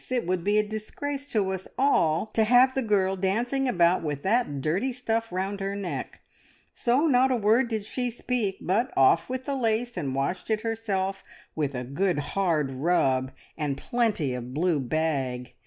It would be a disgrace to us all to have the girl dancing about with that dirty stuff round her neck,' so not a word did she speak, but off with the lace and washed it herself, with a good hard rub, and plenty of blue bag.